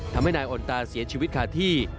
ทำให้นายอ่อนตาเสียชีวิตขาดที่